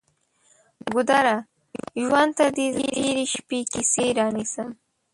ګودره! ژوند ته دې د تیرې شپې کیسې رانیسم